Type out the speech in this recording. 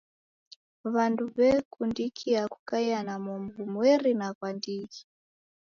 W'andu w'ekundikia kukaia na momu ghumweri na ghwa ndighi.